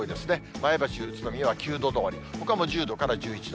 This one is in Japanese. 前橋、宇都宮は９度止まり、ほかも１０度から１１度。